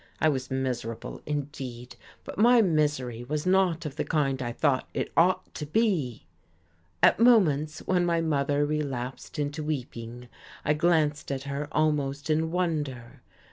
I was miserable, indeed, but my misery was not of the kind I thought it ought to be. At moments, when my mother relapsed into weeping, I glanced at her almost in wonder.